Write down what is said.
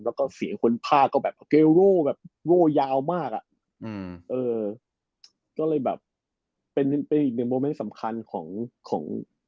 แล้วก็เสียงคนพาก็แบบเกลโร่แบบโว่ยาวมากอ่ะอืมเออก็เลยแบบเป็นเป็นอีกหนึ่งโมเมนต์สำคัญของของ